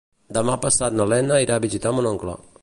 Demà passat na Lena irà a visitar mon oncle.